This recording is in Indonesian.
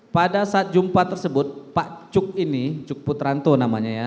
pada saat jumpa tersebut pak cuk ini cuk putranto namanya ya